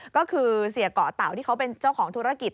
ก็คือเสียเกาะเต่าที่เขาเป็นเจ้าของธุรกิจ